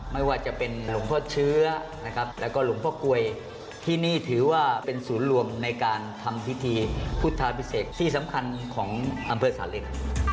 ไม่ว่าจะเป็นหลวงพ่อเชื้อนะครับแล้วก็หลวงพ่อกลวยที่นี่ถือว่าเป็นศูนย์รวมในการทำพิธีพุทธาพิเศษที่สำคัญของอำเภอสาเล็ง